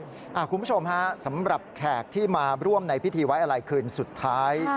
คุณผู้ชมฮะสำหรับแขกที่มาร่วมในพิธีไว้อะไรคืนสุดท้าย